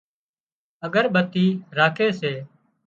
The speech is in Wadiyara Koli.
اڳرٻتي راکي سي